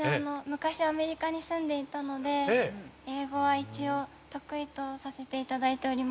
昔アメリカに住んでいたので英語は一応得意とさせて頂いております。